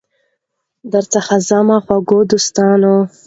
درڅخه ځمه خوږو دوستانو